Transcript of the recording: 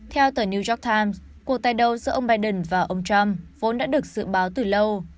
theo tờ new york times cuộc tái đầu giữa ông biden và ông trump vốn đã được dự báo từ lâu